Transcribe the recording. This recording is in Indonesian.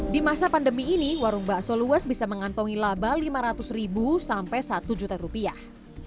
di masa pandemi ini warung bakso luas bisa mengantongi laba lima ratus ribu sampai satu juta rupiah